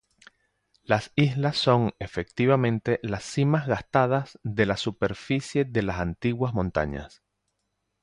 Las islas son efectivamente las cimas gastadas de la superficie de las antiguas montañas.